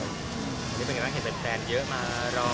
ตอนนี้เป็นไงบ้างเห็นแฟนเยอะมารอ